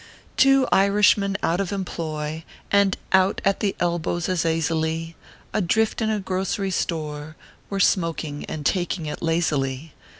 Two Irishmen out of employ, And out at the elbows as aisily, Adrift in a grocery store Were smoking and taking it lazily.